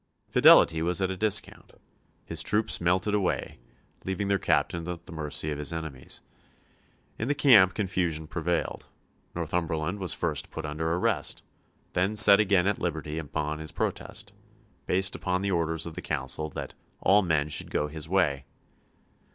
Fidelity was at a discount. His troops melted away, leaving their captain at the mercy of his enemies. In the camp confusion prevailed. Northumberland was first put under arrest, then set again at liberty upon his protest, based upon the orders of the Council that "all men should go his way."